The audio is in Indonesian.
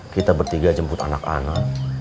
kita bertiga jemput anak anak